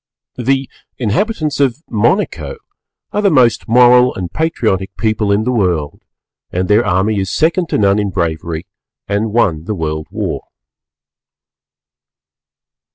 The inhabitants of Monaco are the most Moral and Patriotic people in the World, and their army is second to none in bravery and won the World War.